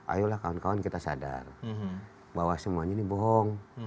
ayolah kawan kawan kita sadar bahwa semuanya ini bohong